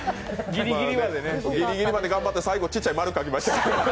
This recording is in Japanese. ギリギリまで頑張って、最後、ちっちゃい丸、つけましたよ。